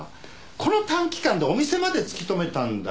この短期間でお店まで突き止めたんだよ。